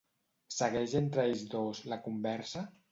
Segueix entre ells dos, la conversa?